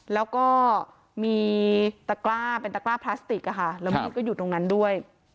แล้วก็มีตะกล้าเป็นตะกร้าพลาสติกอะค่ะแล้วมีดก็อยู่ตรงนั้นด้วย